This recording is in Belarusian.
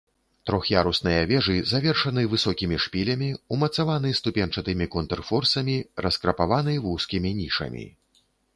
Трох'ярусныя вежы завершаны высокімі шпілямі, умацаваны ступеньчатымі контрфорсамі, раскрапаваны вузкімі нішамі.